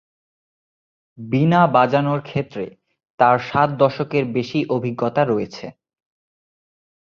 বীণা বাজানোর ক্ষেত্রে তাঁর সাত দশকের বেশি অভিজ্ঞতা রয়েছে।